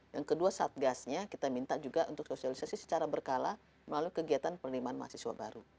yang kedua satgasnya kita minta juga untuk sosialisasi secara berkala melalui kegiatan penerimaan mahasiswa baru